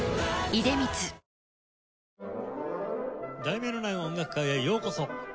『題名のない音楽会』へようこそ。